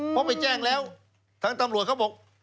เพราะไปแจ้งแล้วทางตำรวจเขาบอก